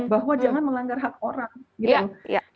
bahwa jangan melanggar hak orang gitu loh